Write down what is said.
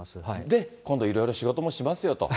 で、今度、いろいろ仕事もしますよと。